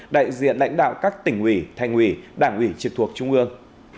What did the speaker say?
đại diện lãnh đạo các tỉnh ủy thành ủy đảng ủy trực thuộc trung ương